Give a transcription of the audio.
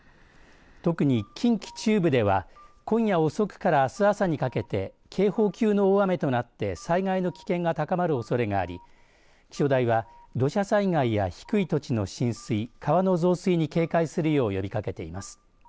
特に、近畿中部では今夜遅くからあす朝にかけて警報級の大雨となって災害の危険が高まるおそれがあり気象台は土砂災害や低い土地の浸水川の増水に警戒するよう呼びかけています。